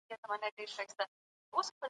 حکومتونه پخوا هم د سياست تابع ول.